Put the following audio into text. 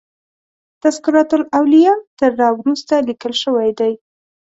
تذکرة الاولیاء تر را وروسته لیکل شوی دی.